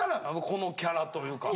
このキャラというか。